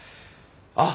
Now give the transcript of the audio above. あっ！